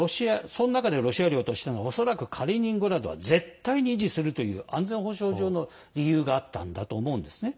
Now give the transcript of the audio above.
その中でロシア領としては恐らくカリーニングラードは絶対に維持するという安全保障上の理由があったんだと思うんですね。